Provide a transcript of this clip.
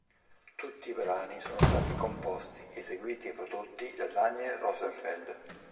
Tutti i brani sono stati composti, eseguiti e prodotti da Daniel Rosenfeld.